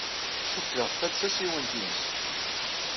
Cikkeɣ ta d tasiwant-nnes.